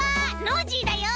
ノージーだよ！